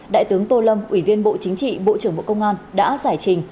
đại tướng tô lâm ủy viên bộ chính trị bộ trưởng bộ công an đã giải trình